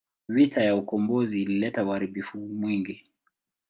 Vita ya ukombozi ilileta uharibifu mwingi.